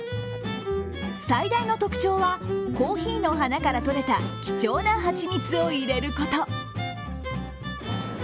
最大の特徴は、コーヒーの花からとれた貴重なハチミツを入れること。